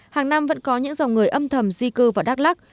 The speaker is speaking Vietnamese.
hàng năm vẫn có những dòng người âm thầm di cư vào đắk lắc